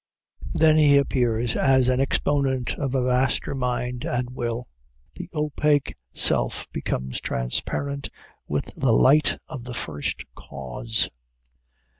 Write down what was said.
Then he appears as an exponent of a vaster mind and will. The opaque self becomes transparent with the light of the First Cause.